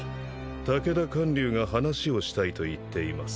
武田観柳が話をしたいと言っています。